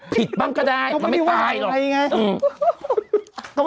ผิดบ้างก็ได้มันไม่ตายหรอกก็ไม่ได้ว่าอะไรไงอืม